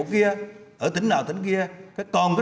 ở tỉnh kia ở tỉnh kia ở tỉnh kia ở tỉnh kia ở tỉnh kia ở tỉnh kia